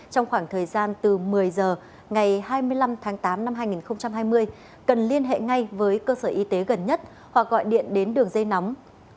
trong khoảng thời gian từ một mươi h ngày hai mươi năm tháng tám năm hai nghìn hai mươi cần liên hệ ngay với cơ sở y tế gần nhất hoặc gọi điện đến đường dây nóng chín trăm sáu mươi chín tám mươi hai một trăm một mươi năm